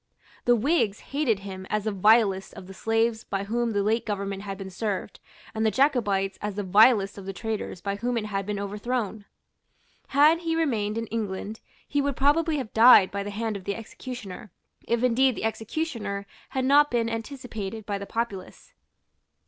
The Whigs hated him as the vilest of the slaves by whom the late government had been served, and the Jacobites as the vilest of the traitors by whom it had been overthrown. Had he remained in England, he would probably have died by the hand of the executioner, if indeed the executioner had not been anticipated by the populace.